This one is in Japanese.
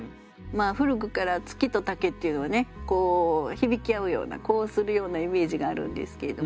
古くから月と竹っていうのはね響き合うような呼応するようなイメージがあるんですけれども。